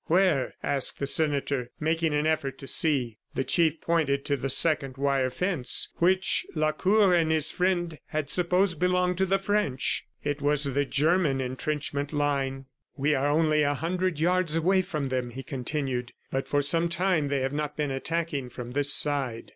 "Where?" asked the senator, making an effort to see. The Chief pointed to the second wire fence which Lacour and his friend had supposed belonged to the French. It was the German intrenchment line. "We are only a hundred yards away from them," he continued, "but for some time they have not been attacking from this side."